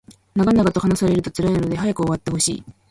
長々と話されると辛いので早く終わってほしい